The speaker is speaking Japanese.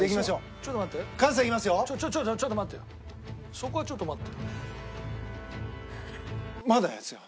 そこはちょっと待って。